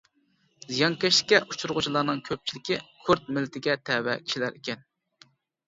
زىيانكەشلىككە ئۇچرىغۇچىلارنىڭ كۆپچىلىكى كۇرد مىللىتىگە تەۋە كىشىلەر ئىكەن.